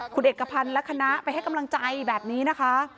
คุณเอกพันธ์และคณะไปให้กำลังใจแบบนี้นะคะ